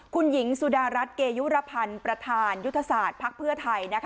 คุณหญิงสุดารัฐเกยุรพันธ์ประธานยุทธศาสตร์ภักดิ์เพื่อไทย